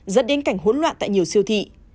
dẫn đến cảnh hỗn loạn tại nhiều siêu thị